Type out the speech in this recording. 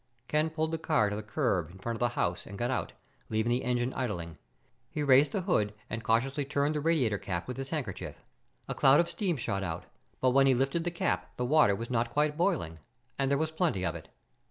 Ken pulled the car to the curb in front of the house and got out, leaving the engine idling. He raised the hood and cautiously turned the radiator cap with his handkerchief. A cloud of steam shot out, but when he lifted the cap the water was not quite boiling, and there was plenty of it.